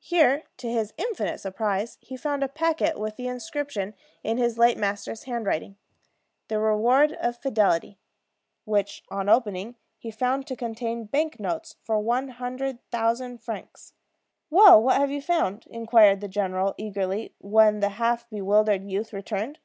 Here, to his infinite surprise, he found a packet with the inscription, in his late master's handwriting, "The Reward of Fidelity," which, on opening, he found to contain bank notes for one hundred thousand francs. "Well, what have you found?" inquired the general, eagerly, when the half bewildered youth returned.